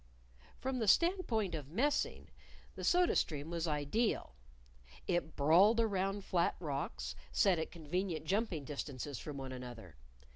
From the standpoint of messing the soda stream was ideal. It brawled around flat rocks, set at convenient jumping distances from one another.